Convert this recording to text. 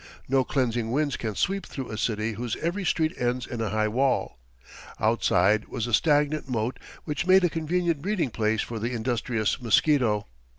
No cleansing winds can sweep through a city whose every street ends in a high wall. Outside was a stagnant moat which made a convenient breeding place for the industrious mosquito.